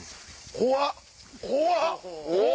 怖っ！